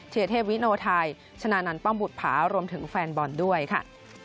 เทพวิโนไทยชนะนันต์ป้อมบุตรภารวมถึงแฟนบอลด้วยค่ะ